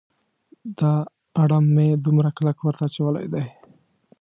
دا اړم مې دومره کلک ورته اچولی دی.